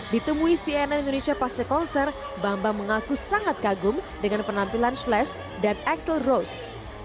ditemui cnn indonesia pasca konser bambang mengaku sangat kagum dengan penampilan slash dan axel rose